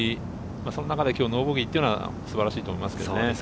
その中でノーボギーというのは素晴らしいと思いますけどね。